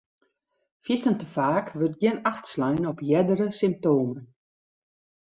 Fierstente faak wurdt gjin acht slein op iere symptomen.